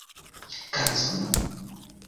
kanzono